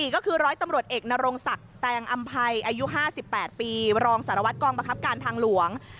ก็คือร้อยตำรวจเอกนรงศักดิ์แตงอำภัยอายุ๕๘ปีรองสารวัตรกองบังคับการทางหลวง